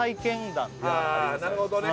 なるほどね